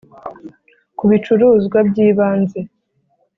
Ku bicuruzwa by ibanze